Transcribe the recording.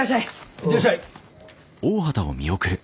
行ってらっしゃい。